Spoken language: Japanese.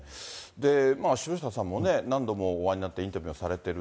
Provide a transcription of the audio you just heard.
で、城下さんもね、何度もお会いになってインタビューもされてる。